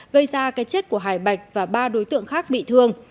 gây ra cái chết của hải bạch và ba đối tượng khác bị thương